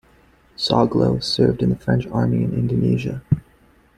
Soglo served in the French army in Indonesia.